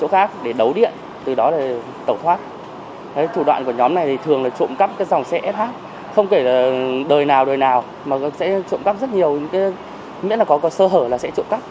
không kể là đời nào đời nào mà sẽ trộn cắp rất nhiều miễn là có sơ hở là sẽ trộn cắp